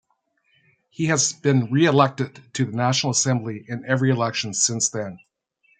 He has been re-elected to the National Assembly in every election since then.